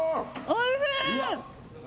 おいしい！